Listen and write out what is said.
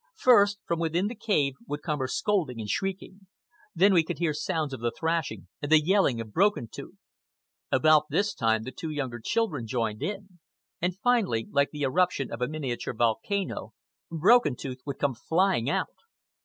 First, from within the cave, would come her scolding and shrieking. Then we could hear sounds of the thrashing and the yelling of Broken Tooth. About this time the two younger children joined in. And finally, like the eruption of a miniature volcano, Broken Tooth would come flying out.